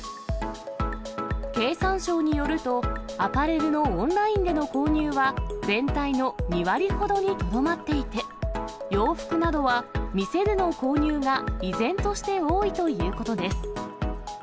経産省によると、アパレルのオンラインでの購入は、全体の２割ほどにとどまっていて、洋服などは店での購入が依然として多いということです。